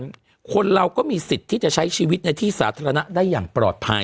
คนเรียกว่าเราก็จะมีสิทธิ์ที่จะใช้ชีวิตในที่สาธารณะได้อย่างปลอดภัย